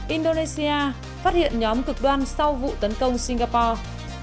indonesia phát hiện nhóm cực đoan sau vụ tấn công singapore